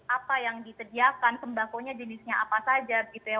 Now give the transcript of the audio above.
apa yang disediakan sembakonya jenisnya apa saja gitu ya